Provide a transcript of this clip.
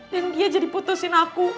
dan dia jadi putusin aku